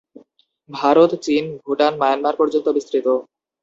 ভারত, চীন, ভুটান, মায়ানমার পর্যন্ত বিস্তৃত।